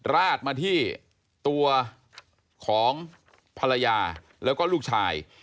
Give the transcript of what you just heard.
ราดมาที่ตัวของภรรยาแล้วก็ลูกชาย